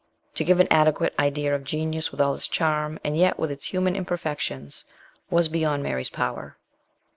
To give an adequate idea of genius with all its charm, and yet with its human imper fections, was beyond Mary's power.